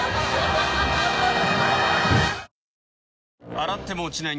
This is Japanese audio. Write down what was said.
洗っても落ちない